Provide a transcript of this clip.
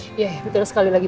iya betul sekali lagi